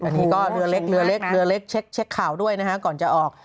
อันนี้ก็เรือเล็กเรือเล็กเรือเล็กเช็คข่าวด้วยนะฮะก่อนจะออก